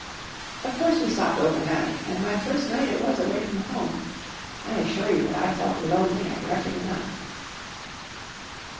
Of course we stopped over night, and my first night it was away from home. I assure you that I felt lonely and wretched enough.